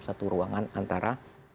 satu ruangan antara